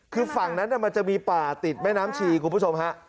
คือฝั่งนั้นมันจะมีป่าติดแม่น้ำชีคุณผู้ชมฮะ